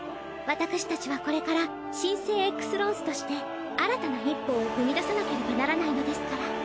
私たちはこれから新生Ｘ−ＬＡＷＳとして新たな１歩を踏み出さなければならないのですから。